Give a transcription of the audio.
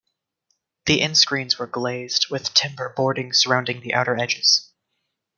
The end screens were glazed with timber boarding surrounding the outer edges.